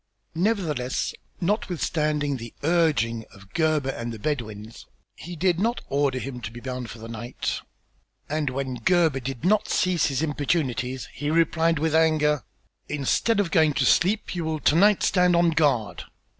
Nevertheless, notwithstanding the urging of Gebhr and the Bedouins, he did not order him to be bound for the night, and when Gebhr did not cease his importunities, he replied with anger: "Instead of going to sleep, you will to night stand on guard.